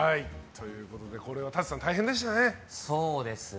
これはＴＡＴＳＵさん大変でしたね。